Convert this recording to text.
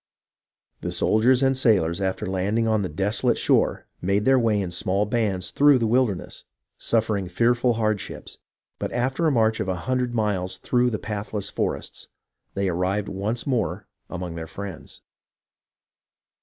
The soldiers and sailors, after landing on the desolate shore, made their way in small bands through the wilder ness, suffering fearful hardships ; but after a march of a hundred miles through the pathless forests, they arrived once more among their friends.